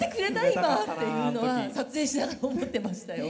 今」っていうのは撮影しながら思ってましたよ。